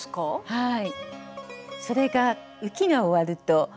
はい。